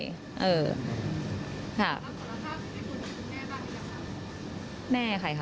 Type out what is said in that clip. แล้วสุดท้ายคุณแม่ใครค่ะ